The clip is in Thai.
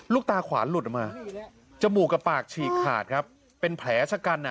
ตาขวานหลุดออกมาจมูกกับปากฉีกขาดครับเป็นแผลชะกันอ่ะ